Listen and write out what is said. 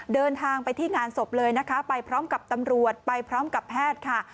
เดินทางไปที่งานศพเลยนะคะไปพร้อมกับตำรวจไปพร้อมกับแพทย์ค่ะ